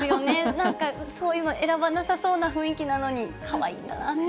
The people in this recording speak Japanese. なんか、そういうの選ばなさそうな雰囲気なのに、かわいいんだなって。